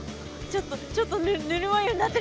ちょっとちょっとぬるま湯になってる。